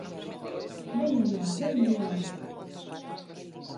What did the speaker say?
_Veña, veña...